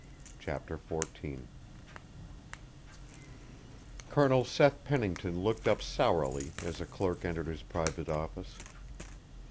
CHAPTER XIV Colonel Seth Pennington looked up sourly as a clerk entered his private office.